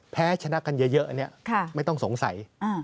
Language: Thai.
แพ้ชนะกันเยอะไม่ต้องสงสัย